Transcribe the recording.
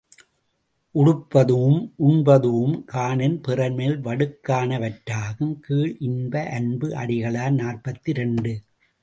உடுப்பது உம் உண்பதூஉம் காணின் பிறர்மேல் வடுக்காண வற்றாகும் கீழ் இன்ப அன்பு அடிகளார் நாற்பத்திரண்டு.